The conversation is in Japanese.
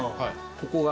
ここが。